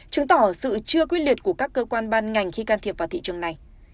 chứng tỏ sự chưa quyết liệt của các cơ quan ban ngành khi can thiệp vào thị trường này